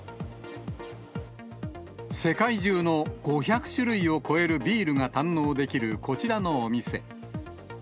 世界中の５００種類を超えるビールが堪能できるこちらのお店。